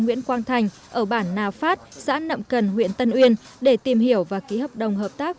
nguyễn quang thành ở bản na phát xã nậm cần huyện tân uyên để tìm hiểu và ký hợp đồng hợp tác